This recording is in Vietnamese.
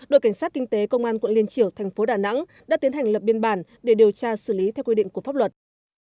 đội cảnh sát kinh tế công an quận liên triểu thành phố đà nẵng đã tiến hành lập biên bản để điều tra xử lý theo quy định của pháp luật